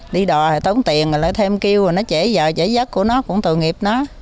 đi đò thì tốn tiền rồi lại thêm kiêu rồi nó trễ giờ trễ giấc của nó cũng tự nghiệp nó